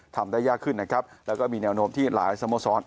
ทำได้ยากขึ้นนะครับแล้วก็มีแนวโน้มที่หลายสโมสร